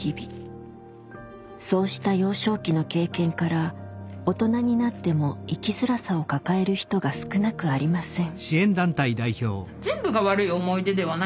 そうした幼少期の経験から大人になっても生きづらさを抱える人が少なくありません。